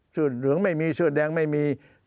เหลืองไม่มีเสื้อแดงไม่มี